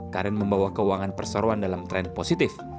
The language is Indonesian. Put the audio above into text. karen membawa keuangan perseroan dalam tren positif